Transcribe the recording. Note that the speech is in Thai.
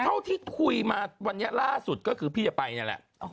พี่เขาที่คุยมาวันยังล่าสุดก็คือพี่จะไปเนี่ยแหละ